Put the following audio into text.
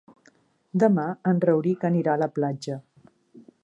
Demà en Rauric anirà a la platja.